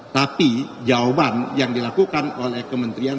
tapi jawaban yang dilakukan oleh kementerian